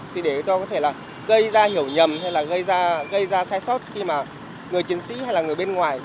thì để cho có thể là gây ra hiểu nhầm hay là gây ra sai sót khi mà người chiến sĩ hay là người bên ngoài